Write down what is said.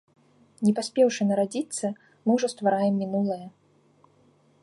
Не паспеўшы нарадзіцца, мы ўжо ствараем мінулае.